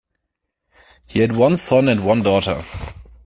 He had one son and one daughter.